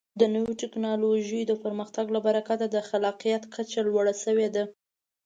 د نوو ټکنالوژیو د پرمختګ له برکته د خلاقیت کچه لوړه شوې ده.